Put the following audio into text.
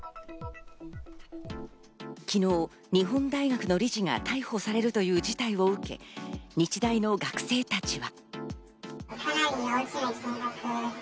昨日、日本大学の理事が逮捕されるという事態を受け、日大の学生たちは。